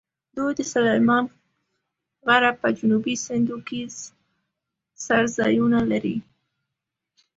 دوی د سلیمان غره په جنوبي څنډو کې څړځایونه لري.